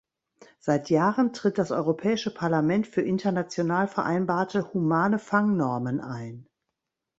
Seit Jahren tritt das Europäische Parlament für international vereinbarte humane Fangnormen ein.